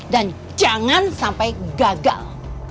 dan jangan sampai gagal